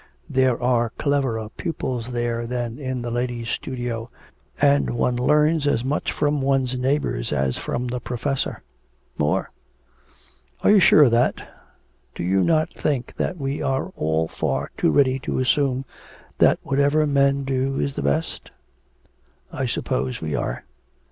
There are cleverer pupils there than in the ladies' studio, and one learns as much from one's neighbours as from the professor; more.' 'Are you sure of that? Do you not think that we are all far too ready to assume that whatever men do is the best?' 'I suppose we are.'